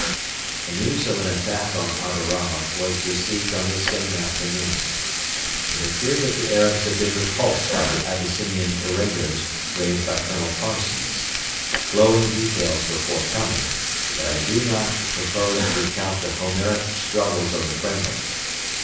The news of an attack on Adarama was received on this same afternoon. It appeared that the Arabs had been repulsed by the Abyssinian irregulars raised by Colonel Parsons. Glowing details were forthcoming, but I do not propose to recount the Homeric struggles of the 'friendlies.'